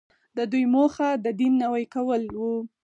د دوی موخه د دین نوی کول وو.